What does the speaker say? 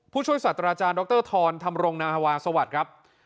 ผู้ช่วยสัตว์อาจารย์ดรทรธำรงนาฮวาสวัสดีครับ